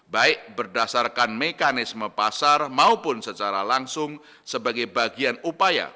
baik berdasarkan mekanisme pasar maupun secara langsung sebagai bagian upaya